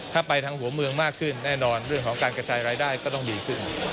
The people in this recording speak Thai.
ถ้าไปทางหัวเมืองมากขึ้นแน่นอนเรื่องของการกระจายรายได้ก็ต้องดีขึ้น